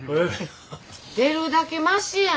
出るだけマシや。